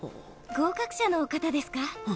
合格者の方ですか？